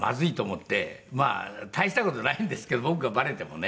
まあ大した事ないんですけど僕がバレてもね。